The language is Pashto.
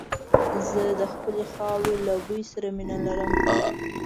زه د خپلې خاورې له بوی سره مينه لرم.